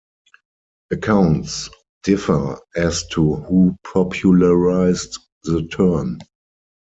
Accounts differ as to who popularized the term.